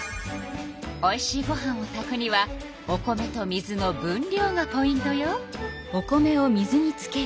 おいしいご飯を炊くにはお米と水の分量がポイントよ。